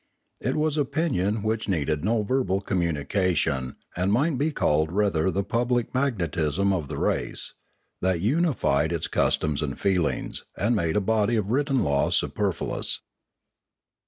It was opinion which needed no verbal communication and might be called rather the public magnetism of the race, that unified its customs and feelings, and made a body of written law superfluous.